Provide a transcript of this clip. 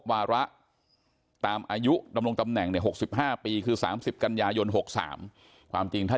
วาระตามอายุดำรงตำแหน่งใน๖๕ปีคือ๓๐กันยายน๖๓ความจริงถ้า